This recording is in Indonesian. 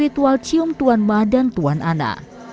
ritual cium tuan ma dan tuan ana